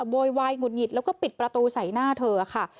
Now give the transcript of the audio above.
โวยวายหงุดหงิดแล้วก็ปิดประตูใส่หน้าเธอค่ะ